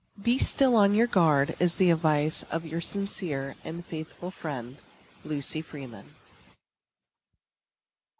Be still on your guard, is the advice of your sincere and faithful friend, LUCY FREEMAN.